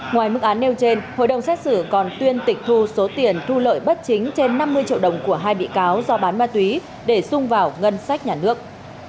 ngoài mức án nêu trên hội đồng xét xử còn tuyên tịch thu số tiền thu lợi bất chính trên năm mươi triệu đồng của hai bị cáo do bán ma túy để sung vào ngân sách nhà nước